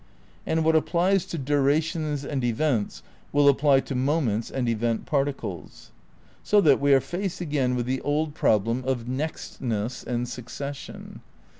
And what ap plies to durations and events will apply to moments and event particles . So that we are faced again with the old problem of 106 THE NEW IDEALISM ni "nextness" and succession.